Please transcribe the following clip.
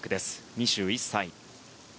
２１歳。